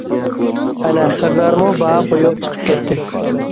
ئەنە خېرىدارمۇ باھا قويۇپ چىقىپ كەتتى.